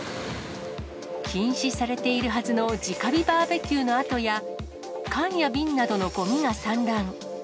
禁止されているはずのじか火バーベキューの跡や、缶や瓶などのごみが散乱。